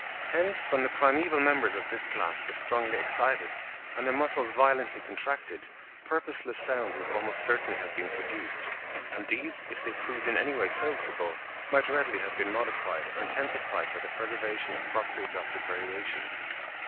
Hence when the primeval members of this class were strongly excited and their muscles violently contracted, purposeless sounds would almost certainly have been produced; and these, if they proved in any way serviceable, might readily have been modified or intensified by the preservation of properly adapted variations.